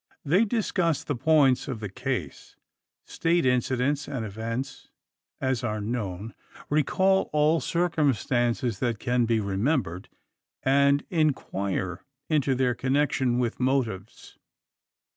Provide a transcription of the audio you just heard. They discuss the points of the case; state such incidents and events as are known; recall all circumstances that can be remembered; and inquire into their connection with motives.